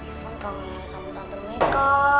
ivan kangen sama tante mika